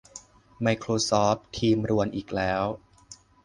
ไมโครซอฟท์ทีมรวนอีกแล้ว